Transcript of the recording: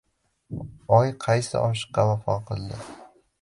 Oy qaysi oshiqqa vafo qildi?